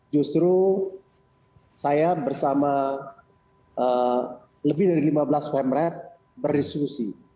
justru saya bersama lebih dari lima belas pemret berdiskusi